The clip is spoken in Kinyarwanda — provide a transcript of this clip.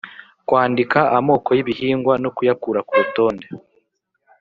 kwandika amoko y ibihingwa no kuyakura ku rutonde